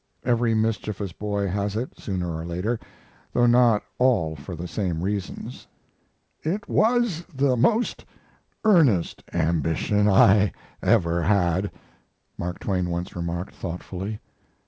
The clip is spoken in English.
Every mischievous boy has it, sooner or later, though not all for the same reasons. "It was the most earnest ambition I ever had," Mark Twain once remarked, thoughtfully.